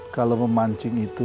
kalau memancing itu